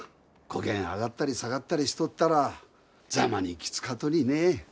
こげん上がったり下がったりしとったらざまにきつかとにね。